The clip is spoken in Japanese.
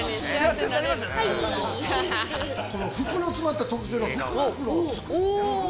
◆この福の詰まった特製の福袋を作る。